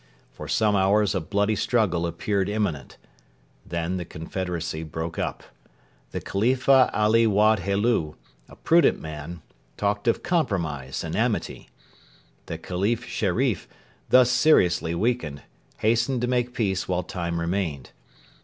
For some hours a bloody struggle appeared imminent. Then the confederacy broke up. The Khalifa Ali Wad Helu, a prudent man, talked of compromise and amity. The Khalif Sherif, thus seriously weakened, hastened to make peace while time remained.